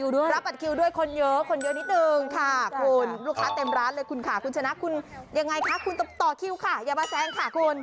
รับบัตรคิวด้วยคนเยอะคนเยอะนิดนึงค่ะคุณลูกค้าเต็มร้านเลยคุณค่ะคุณชนะคุณยังไงคะคุณต้องต่อคิวค่ะอย่ามาแซงค่ะคุณ